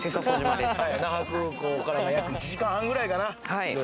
那覇空港から１時間半ぐらいかな。